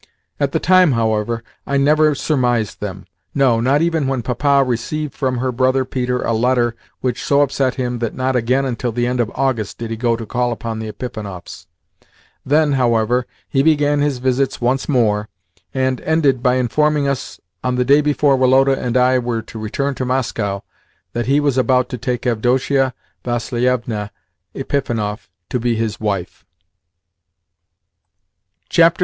At the time, however, I never surmised them no, not even when Papa received from her brother Peter a letter which so upset him that not again until the end of August did he go to call upon the Epifanovs'. Then, however, he began his visits once more, and ended by informing us, on the day before Woloda and I were to return to Moscow, that he was about to take Avdotia Vassilievna Epifanov to be his wife. XXXV.